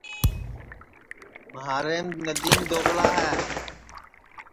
مھاریم ندیم دوگلا ہے